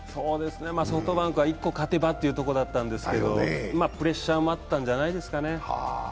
ソフトバンクは１個勝てばというところだったんですけどプレッシャーもあったんじゃないですかね。